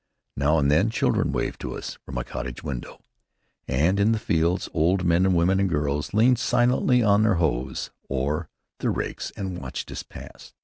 Now and then children waved to us from a cottage window, and in the fields old men and women and girls leaned silently on their hoes or their rakes and watched us pass.